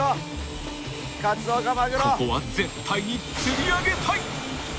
［ここは絶対に釣り上げたい］